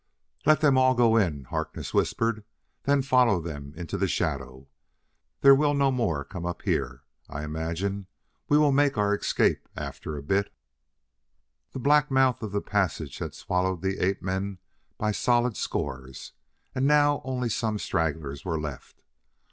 "Let them all go in," Harkness whispered. "Then follow them into the shadow. There will no more come up here, I imagine. We will make our escape after a bit." The black mouth of the passage had swallowed the ape men by solid scores, and now only some stragglers were left.